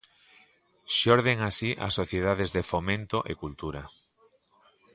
Xorden así as Sociedades de Fomento e Cultura.